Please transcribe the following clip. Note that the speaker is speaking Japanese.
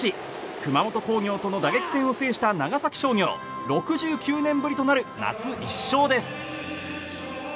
熊本工業との打撃戦を制した長崎商業６９年ぶりとなる夏１勝です。